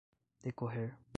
decorrer